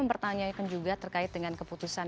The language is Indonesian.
mempertanyakan juga terkait dengan keputusan